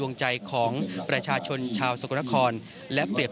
วันนี้ก็คือเสียงจากชาวสกลนครนะครับ